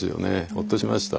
ホッとしました。